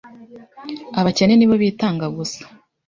Abakene ni bo bitanga gusa.